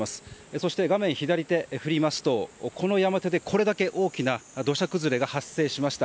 そして画面左手、この山でこれだけ大きな土砂崩れが発生しました。